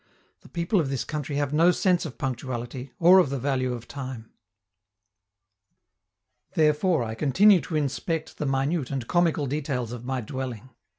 The people of this country have no sense of punctuality, or of the value of time. Therefore I continue to inspect the minute and comical details of my dwelling.